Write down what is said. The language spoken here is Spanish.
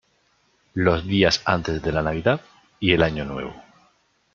Los días antes de la Navidad y el Año Nuevo.